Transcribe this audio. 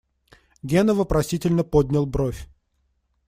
Гена вопросительно поднял бровь.